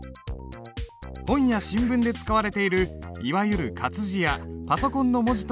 本や新聞で使われているいわゆる活字やパソコンの文字とは違う。